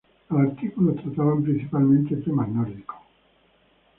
Los artículos trataban principalmente temas nórdicos.